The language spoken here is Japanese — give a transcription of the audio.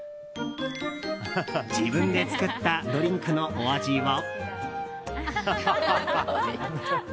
自分で作ったドリンクのお味は。